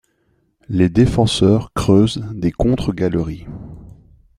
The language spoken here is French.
Les défenseurs creusent des contre-galeries.